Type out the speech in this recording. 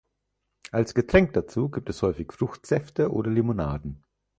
Als Getränk dazu gibt es häufig Fruchtsäfte oder Limonaden.